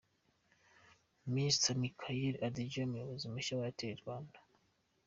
Mr Micheal Adjei umuyobozi mushya wa Airtel Rwanda.